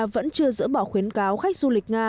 vẫn chưa dỡ bỏ khuyến cáo khách du lịch nga